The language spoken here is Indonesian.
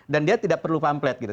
dan dia tidak perlu pamplet gitu